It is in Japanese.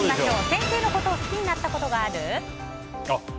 先生のことを好きになったことがある？